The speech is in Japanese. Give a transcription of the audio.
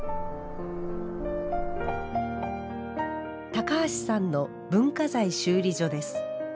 高橋さんの文化財修理所です。